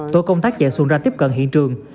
tổ công tác chạy xuồng ra tiếp cận hiện trường